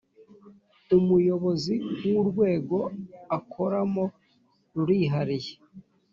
Umuyobozi w’ Urwego akoramo rurihariye